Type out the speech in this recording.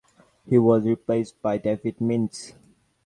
He was replaced by David Mintz.